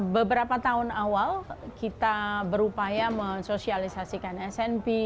beberapa tahun awal kita berupaya mensosialisasikan smp